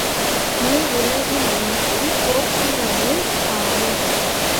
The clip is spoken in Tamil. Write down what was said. மூவுலகினின்றும் தோத்திரமுங் காணோம்.